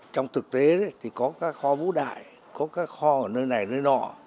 trong thực tế có cá kho vũ đại có cá kho ở nơi này nơi đó